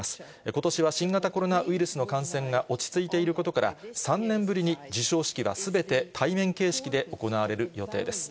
ことしは新型コロナウイルスの感染が落ち着いていることから、３年ぶりに授賞式がすべて対面形式で行われる予定です。